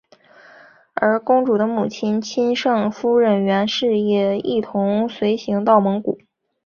而公主的母亲钦圣夫人袁氏也一同随行到蒙古。